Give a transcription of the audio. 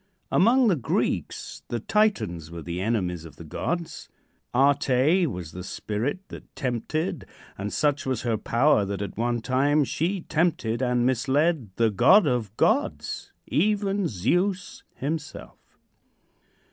Among the Greeks, the Titans were the enemies of the gods. Ate was the spirit that tempted, and such was her power that at one time she tempted and misled the god of gods, even Zeus himself.